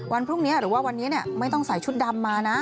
วันพรุ่งนี้หรือว่าวันนี้ไม่ต้องใส่ชุดดำมานะ